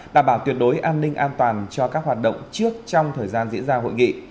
đảm bảo tuyệt đối an ninh an toàn cho các hoạt động trước trong thời gian diễn ra hội nghị